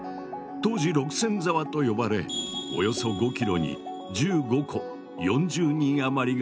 当時六線沢と呼ばれおよそ５ｋｍに１５戸４０人余りが暮らしていた。